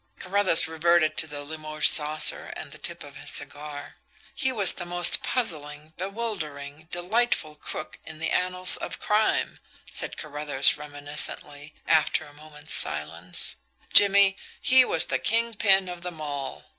Carruthers reverted to the Limoges saucer and the tip of his cigar. "He was the most puzzling, bewildering, delightful crook in the annals of crime," said Carruthers reminiscently, after a moment's silence. "Jimmie, he was the king pin of them all.